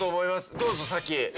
どうぞ先。